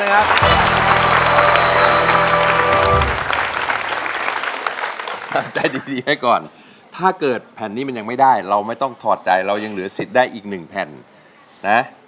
ทำใจดีให้ก่อนถ้าเกิดแผ่นนี้มันยังไม่ได้เราไม่ต้องถอดใจเรายังเหลือสิทธิ์ได้อีกหนึ่งแผ่นนะ